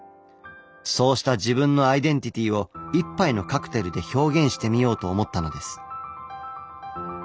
そうした自分のアイデンティティーを一杯のカクテルで表現してみようと思ったのです。